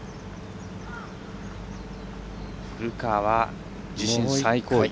古川は自身最高位。